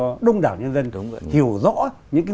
chúng đảo nhân dân hiểu rõ những cái